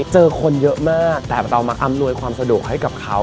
คนเยอะมากแต่เรามาอำนวยความสะดวกให้กับเขา